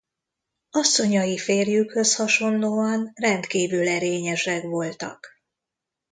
Asszonyai férjükhöz hasonlóan rendkívül erényesek voltak.